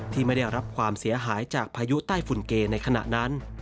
ที่ไม่ได้รับความเสียหายจากพายุใต้ฝุ่นเกในขณะนั้น